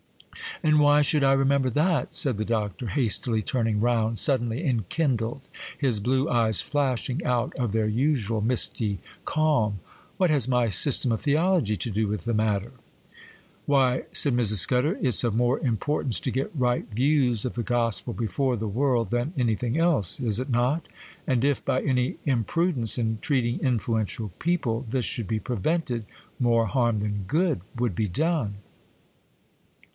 'And why should I remember that?' said the Doctor,—hastily turning round, suddenly enkindled, his blue eyes flashing out of their usual misty calm,—'what has my "System of Theology" to do with the matter?' [Illustration: The Minister is moved. Page 90. Sampson Low, Son & Co. March, 25th, 1859] 'Why,' said Mrs. Scudder, 'it's of more importance to get right views of the gospel before the world than anything else, is it not?—and if, by any imprudence in treating influential people, this should be prevented, more harm than good would be done.